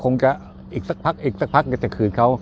คงจะอีกสักพักอีกสักพักก็จะคืนเขา